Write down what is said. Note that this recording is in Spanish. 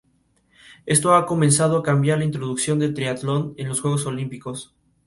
Esto ha comenzado a cambiar con la introducción de triatlón en los Juegos Olímpicos.